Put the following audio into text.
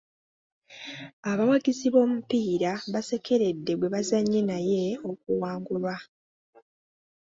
Abawagizi b'omupiira baasekeredde gwe baazannye naye okuwangulwa.